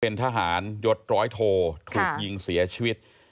เป็นทหารยศร้อยโทถูกยิงเสียชีวิต